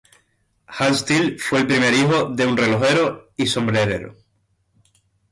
Hans Till fue el primer hijo de un relojero y sombrerero.